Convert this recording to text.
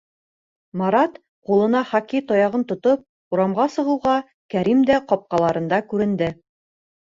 Марат, ҡулына хоккей таяғын тотоп, урамға сығыуға, Кәрим дә ҡапҡаларында күренде.